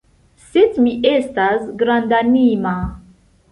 Sed mi estas grandanima.